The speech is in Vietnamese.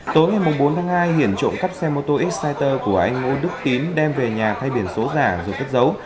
tối ngày bốn tháng hai hiển trộm cắp xe mô tô exciter của anh ngô đức tín đem về nhà thay biển số giả rồi cất dấu